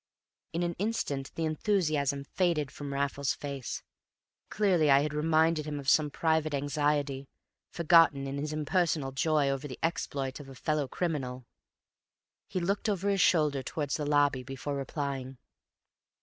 In an instant the enthusiasm faded from Raffles's face; clearly I had reminded him of some prime anxiety, forgotten in his impersonal joy over the exploit of a fellow criminal. He looked over his shoulder towards the lobby before replying.